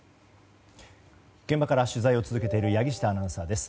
現場から取材を続けている柳下アナウンサーです。